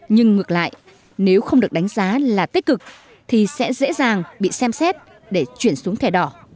nhưng ngược lại nếu không được đánh giá là tích cực thì sẽ dễ dàng bị xem xét để chuyển xuống thẻ đỏ